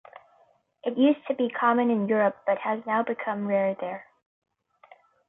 It used to be common in Europe but has now become rare there.